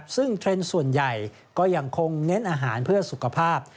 ซึ่งเทรนด์ส่วนใหญ่ก็ยังคงเน้นอาหารเพื่อสุขภาพ